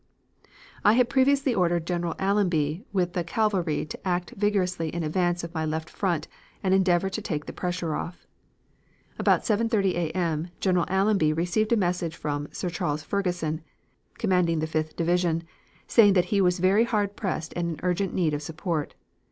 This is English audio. "I had previously ordered General Allenby with the cavalry to act vigorously in advance of my left front and endeavor to take the pressure off. "About 7.30 A. M. General Allenby received a message from Sir Charles Ferguson, commanding the Fifth Division, saying that he was very hard pressed and in urgent need of support.